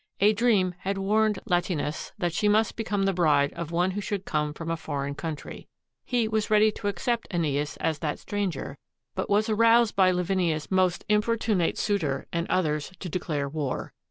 A dream had warned Latinus that she must become the bride of one who should come from a foreign country. He was ready to accept ^neas as that stranger, but was aroused by Lavinia's most importunate suitor and others to declare war.